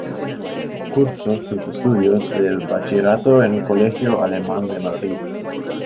Cursó sus estudios de bachillerato en el Colegio Alemán de Madrid.